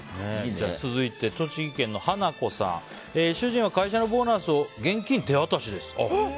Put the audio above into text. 続いて、栃木県の方。主人は会社のボーナスを現金手渡しです。